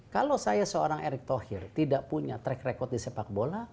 kalau saya seorang erick thohir tidak punya track record di sepak bola